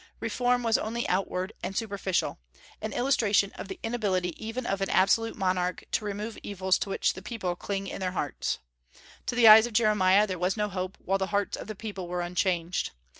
Reform was only outward and superficial, an illustration of the inability even of an absolute monarch to remove evils to which the people cling in their hearts. To the eyes of Jeremiah, there was no hope while the hearts of the people were unchanged.